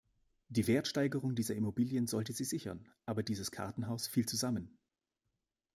Die Wertsteigerung dieser Immobilien sollte sie sichern, aber dieses Kartenhaus fiel zusammen.